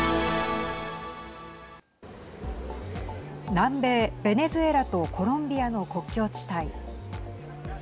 南米ベネズエラとコロンビアの国境地帯。